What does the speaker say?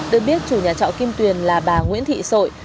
được biết chủ nhà trọ kim tuyền là bà nguyễn thị sội